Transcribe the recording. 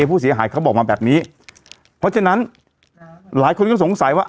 เขาบอกมาแบบนี้เพราะฉะนั้นหลายคนก็สงสัยว่า